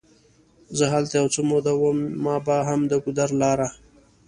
زه هلته یو څه موده وم، ما به هم د ګودر لاره.